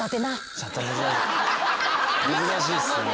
難しいっすね。